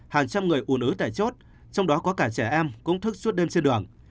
hàng trăm người ủn ứ tải chốt trong đó có cả trẻ em cũng thức suốt đêm trên đường